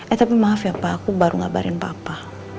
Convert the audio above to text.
eh tapi maaf ya pak aku baru ngabarin bapak